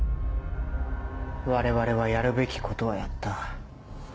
我々はやるべきことはやった。